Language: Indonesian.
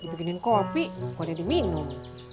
gitu ginian kopi kok ada di minum